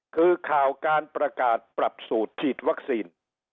คือข่าวการประกาศปรับสูตรฉีดวัคซีน